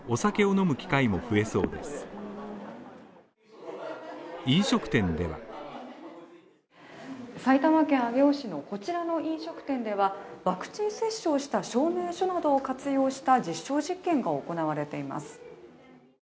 飲食店では埼玉県上尾市のこちらの飲食店ではワクチン接種をした証明書などを活用した実証実験が行われています。